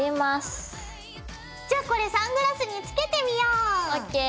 じゃあこれサングラスにつけてみよう！ＯＫ。